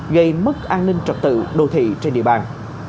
gây mất an ninh trật tự đô thị trên địa bàn